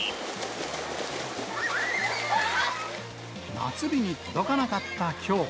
夏日に届かなかったきょう。